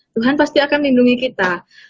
tuhan pasti akan lindungi kita